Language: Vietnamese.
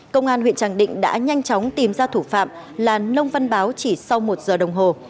công an huyện tràng định đã nhanh chóng tìm ra thủ phạm là nông văn báo chỉ sau một giờ đồng hồ